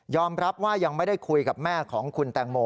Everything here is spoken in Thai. รับว่ายังไม่ได้คุยกับแม่ของคุณแตงโม